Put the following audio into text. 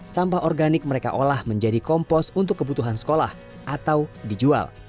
sampah organik mereka olah menjadi kompos untuk kebutuhan sekolah atau dijual